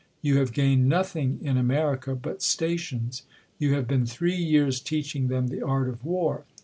You hare •? gained nothing in America but stations. You have been uiree years teaching them the art of war.